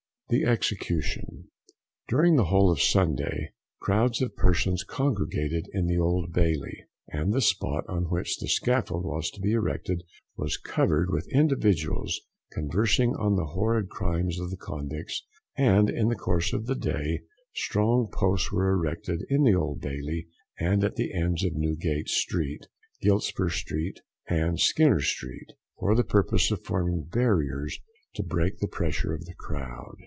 THE EXECUTION. During the whole of Sunday crowds of persons congregated in the Old Bailey, and the spot on which the scaffold was to be erected was covered with individuals conversing on the horrid crimes of the convicts, and in the course of the day strong posts were erected in the Old Bailey and at the ends of Newgate street, Giltspur street, and Skinner street, for the purpose of forming barriers to break the pressure of the crowd.